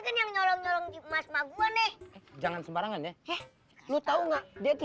kan yang nyolong nyolong di emas mago nih jangan sembarangan ya lu tahu enggak dia itu